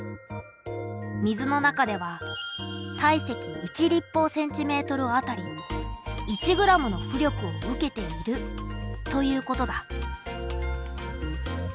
水の中では体積１立方センチメートルあたり１ｇの浮力を受けているということだ。